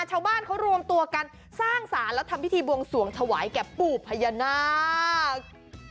ชาวบ้านเขารวมตัวกันสร้างสารและทำพิธีบวงสวงถวายแก่ปู่พญานาค